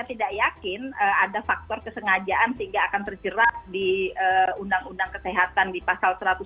saya tidak yakin ada faktor kesengajaan sehingga akan terjerat di undang undang kesehatan di pasal satu ratus tujuh puluh